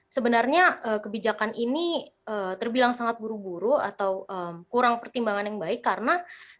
sebenarnya kebijakan ini terbilang sangat buru buru atau kurang pertimbangan yang baik karena